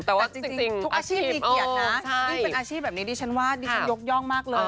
แต่จริงทุกอาชีพมีเกียรตินะยิ่งเป็นอาชีพแบบนี้ดิฉันว่าดิฉันยกย่องมากเลย